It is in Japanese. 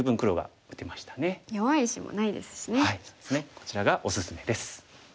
こちらがおすすめです。